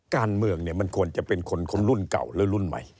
การเมืองเนี่ยมันควรจะเป็นคนรุ่นเก่าหรือรุ่นใหม่